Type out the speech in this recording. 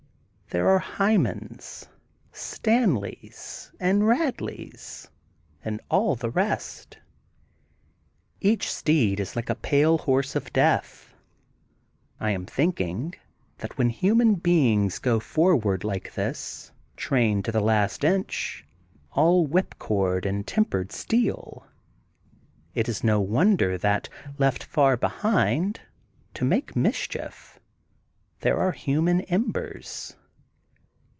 There are Hymans, Stanleys and Badleys, and all the rest. Each steed is like a pale horse of death. I am thinking that when human beings gq forward like this, trained to THE GOLDEN BOOK OF SPRINGFIELD 299 the last inch, all whipcord and tempered steel, it is no wonder that, left far behind, to make mischief, there are human embers.